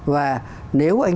và nếu anh